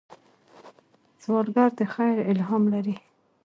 سوالګر د خیر الهام لري